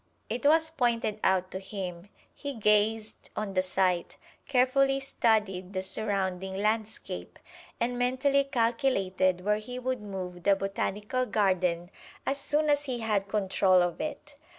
It was pointed out to him. He gazed on the site, carefully studied the surrounding landscape, and mentally calculated where he would move the Botanical Garden as soon as he had control of it.